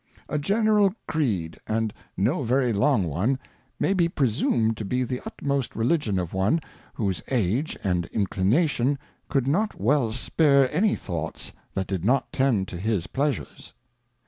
A General Creed, and no very long one, may be presumed to be the utmost Religion of one, whose Age and Inclination could not well spare any Thoughts that did not tend to his Pleasures.